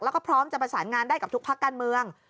แล้วก็พร้อมจะประสานงานได้กับทุกพักการเมือง